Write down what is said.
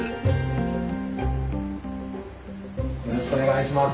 よろしくお願いします。